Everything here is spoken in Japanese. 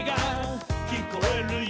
「きこえるよ」